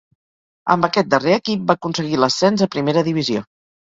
Amb aquest darrer equip va aconseguir l'ascens a primera divisió.